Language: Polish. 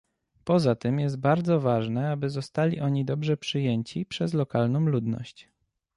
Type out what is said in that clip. Poza tym jest bardzo ważne, aby zostali oni dobrze przyjęci przez lokalną ludność